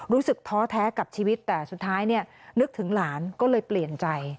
ท้อแท้กับชีวิตแต่สุดท้ายเนี่ยนึกถึงหลานก็เลยเปลี่ยนใจ